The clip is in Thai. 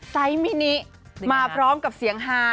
ไซส์มินิมาพร้อมกับเสียงฮา